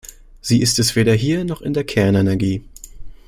Sie ist es weder hier noch in der Kernenergie!